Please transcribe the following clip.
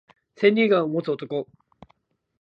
千里眼を持つ男